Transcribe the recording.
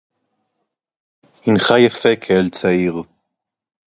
הנך יפה כאל צעיר!